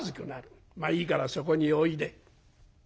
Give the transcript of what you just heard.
まあいいからそこにおいで」。